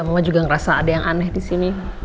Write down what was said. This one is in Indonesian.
mama juga ngerasa ada yang aneh disini